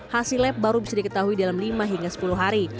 hasil lab baru bisa diketahui dalam lima hingga sepuluh hari